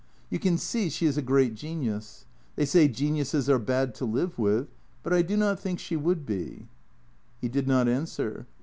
" You can see she is a great genius. They say geniuses are bad to live with. But I do not think she would be." He did not answer.